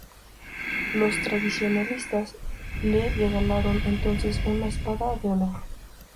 Los tradicionalistas le regalaron entonces una espada de honor.